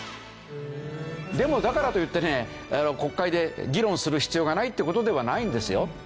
でもだからといってね国会で議論する必要がないって事ではないんですよ。